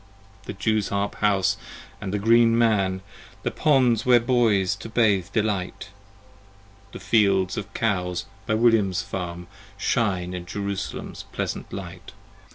30 The Jew's harp house & the Green Man, The Ponds where Boys to bathe delight, The fields of Cows by William's farm, Shine in Jerusalem's pleasant sight.